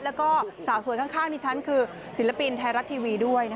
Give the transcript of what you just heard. แล้วก็สาวสวยข้างดิฉันคือศิลปินไทยรัฐทีวีด้วย